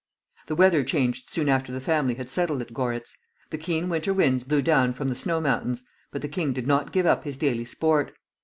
The weather changed soon after the family had settled at Goritz. The keen winter winds blew down from the snow mountains, but the king did not give up his daily sport.